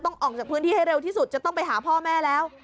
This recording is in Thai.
ออกจากพื้นที่ให้เร็วที่สุดจะต้องไปหาพ่อแม่แล้ว